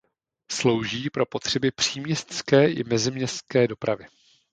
Slouží pro potřeby příměstské i meziměstské dopravy.